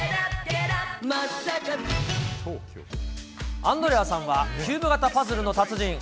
アンドレアさんはキューブ型パズルの達人。